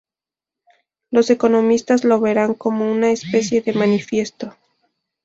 Los economistas lo verán como una especie de manifiesto".